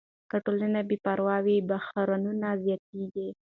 که ټولنه بې پروا وي، بحرانونه زیاتېږي.